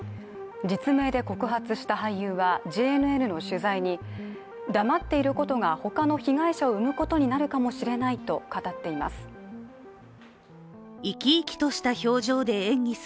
実名で告発した俳優はＪＮＮの取材に黙っていることが他の被害者を生むことになるかもしれないと語っています。